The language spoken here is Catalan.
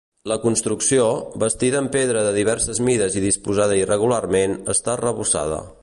La construcció, bastida en pedra de diverses mides i disposada irregularment, està arrebossada.